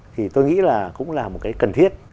thì tôi nghĩ là cũng là một cái cần thiết